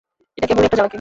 এটা কেবলই একটা চালাকি।